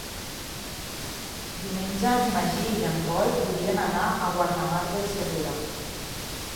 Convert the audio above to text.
Diumenge en Magí i en Pol voldrien anar a Guardamar del Segura.